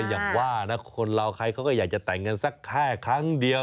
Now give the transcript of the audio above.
ก็อย่างว่านะคุณเราใครก็จะอยากจะแต่งกันสัก๔ครั้งเดียว